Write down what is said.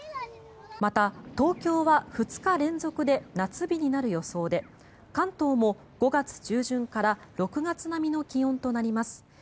また、東京は２日連続で夏日になる予想で関東も５月中旬から６月並みの気温となります。